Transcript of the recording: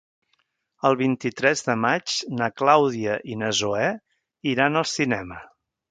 El vint-i-tres de maig na Clàudia i na Zoè iran al cinema.